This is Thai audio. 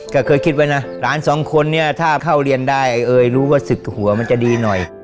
ก็เคยคิดไว้นะหลานสองคนเนี่ยถ้าเข้าเรียนได้ไอ้เอ๋ยรู้ว่า๑๐หัวมันจะดีหน่อย